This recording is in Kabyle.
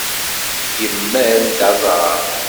Yemmal-d aẓar.